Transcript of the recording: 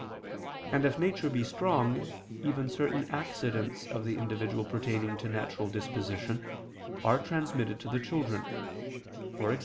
And if nature be strong, even certain accidents of the individual pertaining to natural disposition, are transmitted to the children, e.g.